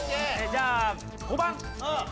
じゃあ。